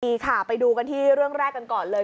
ดีค่ะไปดูกันที่เรื่องแรกกันก่อนเลย